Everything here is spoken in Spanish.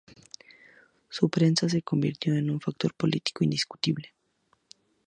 Su prensa se convirtió en un factor político indiscutible.